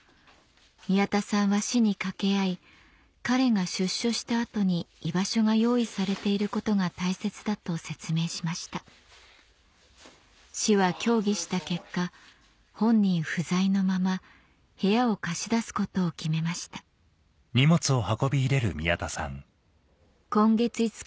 宮田さんは市に掛け合い彼が出所した後に居場所が用意されていることが大切だと説明しました市は協議した結果本人不在のまま部屋を貸し出すことを決めました面会を。